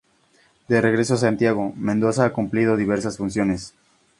De regreso a Santiago, Mendoza ha cumplido diversas funciones.